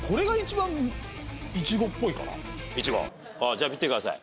じゃあ見てください。